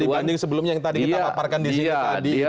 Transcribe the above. jika dibanding sebelumnya yang tadi kita laparkan disini